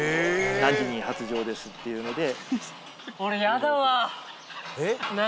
何時に発情ですっていうので。